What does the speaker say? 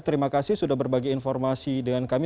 terima kasih sudah berbagi informasi dengan kami